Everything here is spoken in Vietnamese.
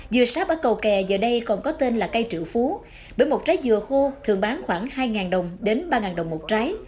dừa sáp ở cầu kè giờ đây còn có tên là cây trựu phú bởi một trái dừa khô thường bán khoảng hai đồng đến ba đồng một trái